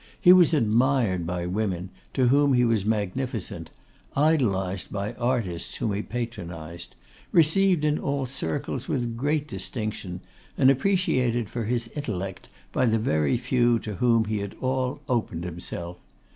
He was admired by women, to whom he was magnificent, idolised by artists whom he patronised, received in all circles with great distinction, and appreciated for his intellect by the very few to whom he at all opened himself.